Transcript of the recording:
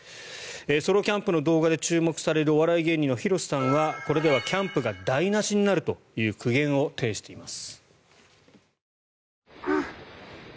ソロキャンプの動画で注目されるお笑い芸人のヒロシさんはこれではキャンプが台無しになるという苦言を呈しています。